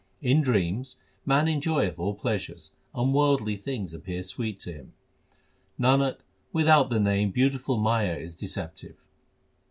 In dreams man enjoyeth all pleasures, and worldly things appear sweet to him. Nanak, without the Name beautiful Maya is deceptive.